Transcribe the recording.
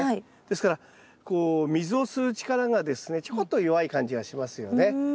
ですからこう水を吸う力がですねちょこっと弱い感じがしますよね。